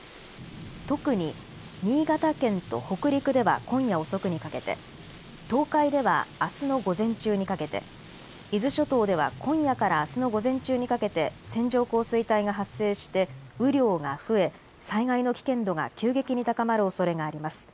特に新潟県と北陸では今夜遅くにかけて、東海ではあすの午前中にかけて、伊豆諸島では今夜からあすの午前中にかけて線状降水帯が発生して雨量が増え災害の危険度が急激に高まるおそれがあります。